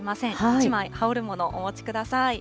１枚、羽織るもの、お持ちください。